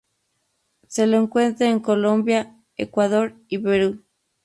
Se lo encuentra en Colombia, Ecuador, y Perú.